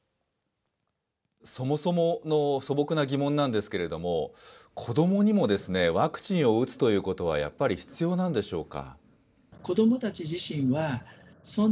そもそもの素朴な疑問なんですけれども、子どもにもですね、ワクチンを打つということは、やっぱり必要なんでしょうか。